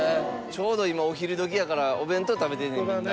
ちょうど今お昼どきやからお弁当食べてんねんみんな。